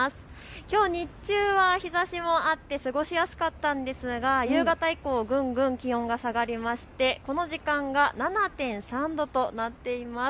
きょう日中は日ざしもあって過ごしやすかったんですが夕方以降ぐんぐん気温が下がりまして、この時間が７．３度となっています。